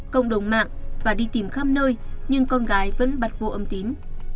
cộng đồng mạng và đi tìm khắp nơi nhưng con gái vẫn bật vô âm tín